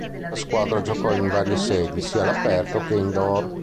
La squadra giocò in varie sedi, sia all'aperto che "indoor".